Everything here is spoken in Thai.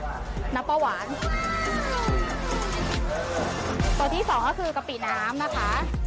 ตัวที่สองก็คือกะปิน้ำนะคะ